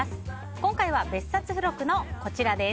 今回は別冊付録のこちらです。